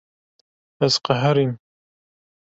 Ez qeherîm.